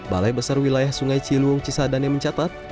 balai besar wilayah sungai ciliwung cisadane mencatat